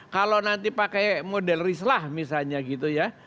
kalau nanti pakai model rislah misalnya gitu ya